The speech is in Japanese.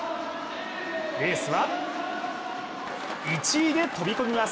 レースは、１位で飛び込みます。